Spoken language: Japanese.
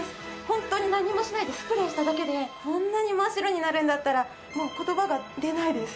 ホントに何もしないでスプレーしただけでこんなに真っ白になるんだったらもう言葉が出ないです。